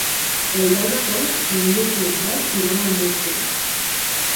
El deu d'agost en Lluc i en Pep iran al metge.